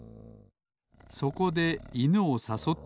そこでいぬをさそってください